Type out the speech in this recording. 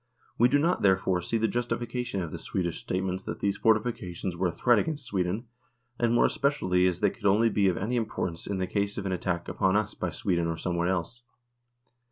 We do not, therefore, see the justification of the Swedish statements that these fortifications were a threat against Sweden, and more especially as they could only be of any importance in the case of an attack upon us by Sweden or someone else.